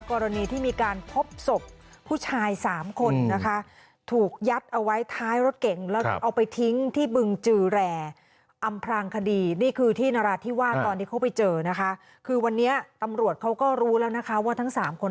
กรณีที่มีการพบศพผู้ชายสามคนนะคะถูกยัดเอาไว้ท้ายรถเก่งแล้วเอาไปทิ้งที่บึงจือแรอำพลางคดีนี่คือที่นราธิวาสตอนที่เขาไปเจอนะคะคือวันนี้ตำรวจเขาก็รู้แล้วนะคะว่าทั้งสามคน